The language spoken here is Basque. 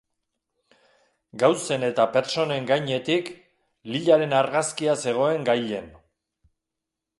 Gauzen eta pertsonen gainetik, Lilaren argazkia zegoen gailen.